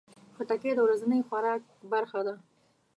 خټکی د ورځني خوراک برخه ده.